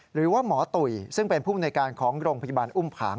หรือว่าหมอตุ๋ยซึ่งเป็นภูมิในการของโรงพยาบาลอุ้มผาง